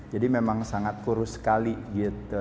jadi memang sangat kurus sekali gitu